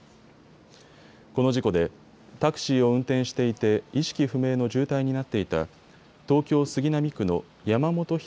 この事故でタクシーを運転していて意識不明の重体になっていた東京杉並区の山本斉